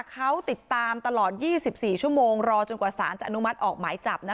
เขาติดตามตลอดยี่สิบสี่ชั่วโมงรอจนกว่าสารจะอนุมัติออกหมายจับนะคะ